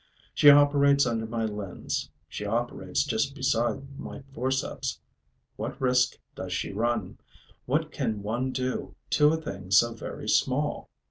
She operates under my lens, she operates just beside my forceps. What risk does she run? What can one do to a thing so very small?